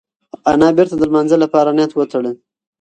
انا بېرته د لمانځه لپاره نیت وتړل.